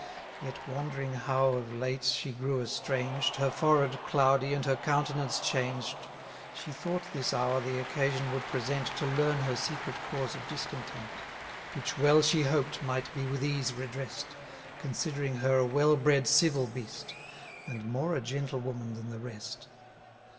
Yet, wondering how of late she grew estranged, Her forehead cloudy, and her countenance changed, She thought this hour the occasion would present To learn her secret cause of discontent, Which well she hoped might be with ease redress'd, Considering her a well bred civil beast, And more a gentlewoman than the rest.